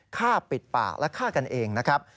ฆ่าปิดปากและฆ่ากันเองนะครับ